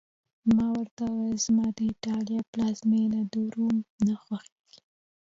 ما ورته وویل: زما د ایټالیا پلازمېنه، روم نه خوښېږي.